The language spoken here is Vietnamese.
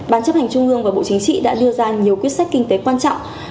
ban chấp hành trung ương và bộ chính trị đã đưa ra nhiều quyết sách kinh tế quan trọng